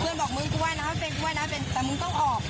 เพื่อนบอกมึงกูว่านะเป็นกูว่านะแต่มึงต้องออก